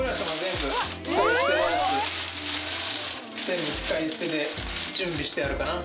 全部使い捨てで準備してあるかな。